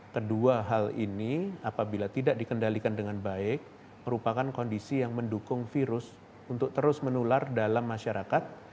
kedua hal ini apabila tidak dikendalikan dengan baik merupakan kondisi yang mendukung virus untuk terus menular dalam masyarakat